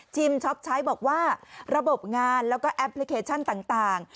ช็อปใช้บอกว่าระบบงานแล้วก็แอปพลิเคชันต่าง